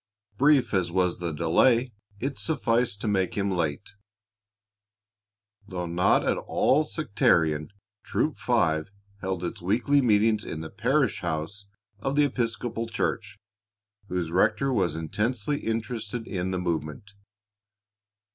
Brief as was the delay, it sufficed to make him late. Though not at all sectarian, Troop Five held its weekly meetings in the parish house of the Episcopal church, whose rector was intensely interested in the movement.